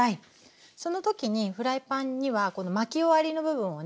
その時にフライパンにはこの巻き終わりの部分をね